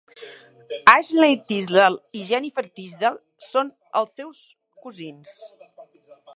Ashley Tisdale i Jennifer Tisdale són els seus cosins.